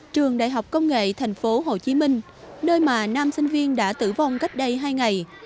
trường đại học công nghệ tp hcm nơi mà nam sinh viên đã tử vong cách đây hai ngày